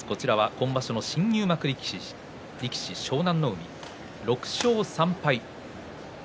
今場所、新入幕力士の湘南乃海６勝３敗。